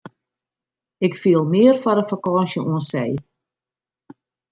Ik fiel mear foar in fakânsje oan see.